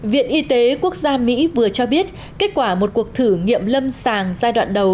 viện y tế quốc gia mỹ vừa cho biết kết quả một cuộc thử nghiệm lâm sàng giai đoạn đầu